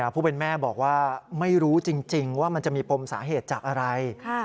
ผู้เป็นแม่บอกว่าไม่รู้จริงว่ามันจะมีปมสาเหตุจากอะไร